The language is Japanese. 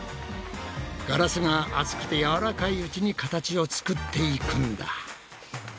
ガラスが熱くて柔らかいうちに形を作っていくんだ。